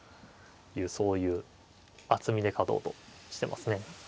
そういう厚みで勝とうとしてますね。